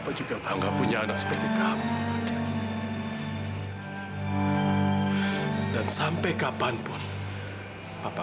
aku mohon kamu cerita sama aku ya